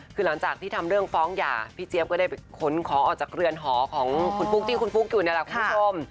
คือหลังจากที่ทำเรื่องฟ้องหย่าพี่เจี๊ยบก็ได้ขนของออกจากเรือนหอของคุณปุ๊กที่คุณปุ๊กอยู่นี่แหละคุณผู้ชม